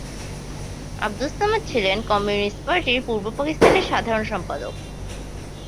আবদুস সামাদ ছিলেন কমিউনিস্ট পার্টির পূর্ব পাকিস্তানের সাধারণ সম্পাদক।